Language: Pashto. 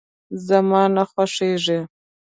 زما نه خوښيږي.